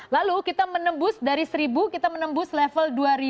lalu kita menembus dari seribu kita menembus level dua